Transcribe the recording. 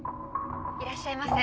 いらっしゃいませ。